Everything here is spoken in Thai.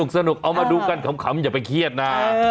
สนุกเอามาดูกันขำอย่าเขี้ยนนะ